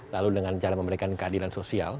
lalu dengan cara memberikan keadilan sosial